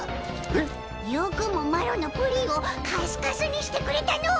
よくもマロのプリンをカスカスにしてくれたの。